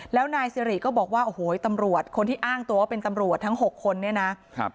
แล้วนายสิริก็บอกว่าโอ้โหตำรวจคนที่อ้างตัวว่าเป็นตำรวจทั้ง๖คนเนี่ยนะครับ